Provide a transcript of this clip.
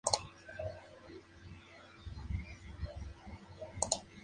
De cara al público, ambos componentes llevan máscaras del villano de Spider-Man, Venom.